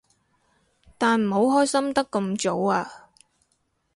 但唔好開心得咁早啊